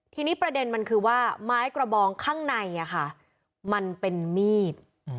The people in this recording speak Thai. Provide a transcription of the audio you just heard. ทีนี้ประเด็นมันคือว่าไม้กระบองข้างในมันเป็นมีด